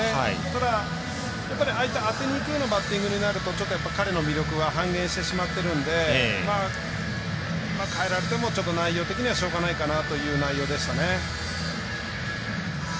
ただ、ああいった当てにいくバッティングになるとちょっと彼の魅力が半減してしまっているので代えられても内容的にはしょうがないかなという内容でした。